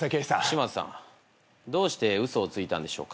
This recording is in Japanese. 島津さんどうして嘘をついたんでしょうか。